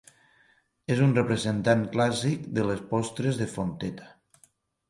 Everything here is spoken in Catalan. És un representant clàssic de les postres de Fonteta.